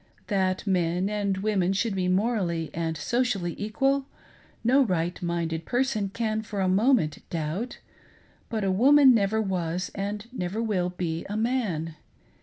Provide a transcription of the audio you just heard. That men and women should be morally and socially equal, no right minded person can for a moment doubt, but a woman never was and never will be a man.